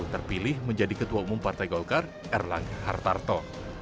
terpilih menjadi ketua umum partai golkar air langga hartarto